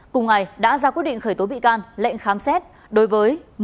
cùng ngày đã ra quyết định khởi tố bị can lệnh khám xét đối với